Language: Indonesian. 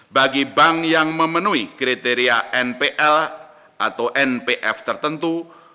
bagi bank yang memenuhi kriteria npl atau npf tertentu